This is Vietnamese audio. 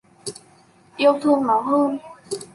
Yêu thương nó hơn